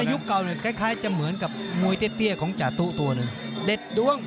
ยุคเก่าเนี่ยคล้ายจะเหมือนกับมวยเตี้ยของจาตุ๊ตัวหนึ่งเด็ดดวง